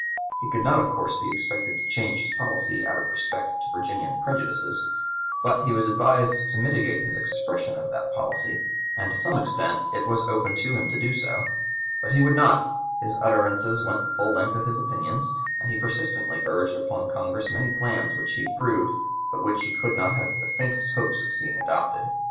He could not of course be expected to change his policy out of respect to Virginian prejudices; but he was advised to mitigate his expression of that policy, and to some extent it was open to him to do so. But he would not; his utterances went the full length of his opinions, and he persistently urged upon Congress many plans which he approved, but which he could not have the faintest hopes of seeing adopted.